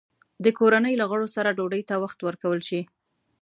د کورنۍ له غړو سره ډوډۍ ته وخت ورکول شي؟